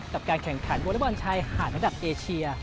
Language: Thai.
กับการแข่งขันโบราบอนไชยหาดนักดับเอเชีย